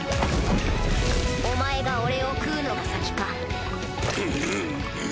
お前が俺を食うのが先か。